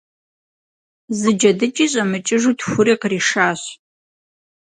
Зы джэдыкӀи щӀэмыкӀыжу тхури къришащ.